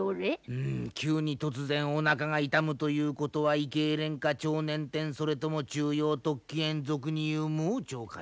うん急に突然おなかが痛むということは胃けいれんか腸捻転それとも虫様突起炎俗に言う盲腸かいな？